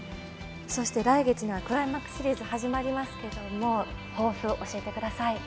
来月にはクライマックスシリーズ始まりますけれども抱負、教えてください。